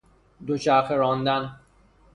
دوچرخه راندن